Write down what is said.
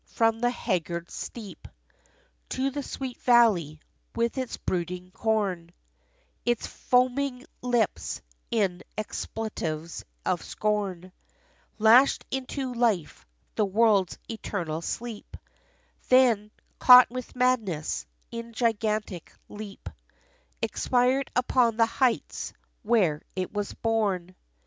From the haggard steep To the sweet valley with its brooding corn, Its foaming lips in expletives of scorn Lashed into life the world's eternal sleep; Then, caught with madness, in gigantic leap Expired upon the heights where it was born.